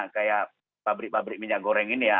kayak pabrik pabrik minyak goreng ini ya